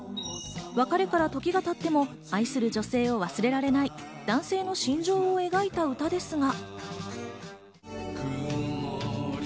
別れから時が経っても愛する女性を忘れられない男性の心情を描いた歌ですが。